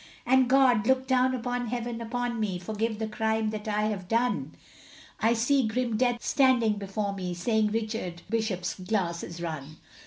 And God, look down from heaven upon me, Forgive the crime that I have done. I see grim death standing before me, Saying, Richard Bishop's glass is run.